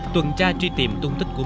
tần tra truy tìm tung tích của v